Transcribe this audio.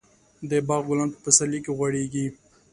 د باغ ګلان په پسرلي کې غوړېږي.